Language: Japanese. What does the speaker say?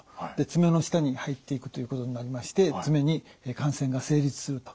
爪の下に入っていくということになりまして爪に感染が成立すると。